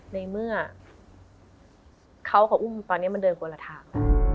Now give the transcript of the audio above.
ในเมื่อเขากับอุ้มตอนนี้มันเดินคนละทาง